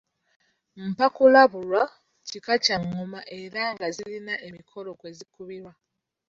Mpakulabulwa kika kya ngoma era nga zirina emikolo kwe zikubirwa.